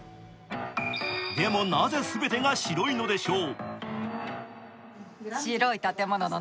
でもなぜ、すべてが白いのでしょう？